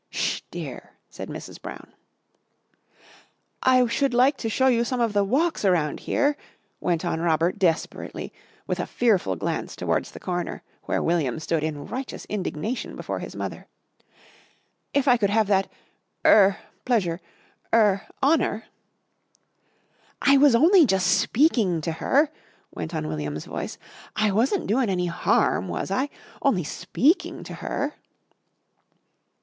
"'Sh, dear!" said Mrs. Brown. "I should like to show you some of the walks around here," went on Robert desperately with a fearful glance towards the corner where William stood in righteous indignation before his mother. "If I could have that er pleasure er honour?" "I was only jus' speaking to her," went on William's voice. "I wasn't doin' any harm, was I? Only speaking to her!"